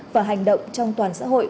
và hành động trong toàn xã hội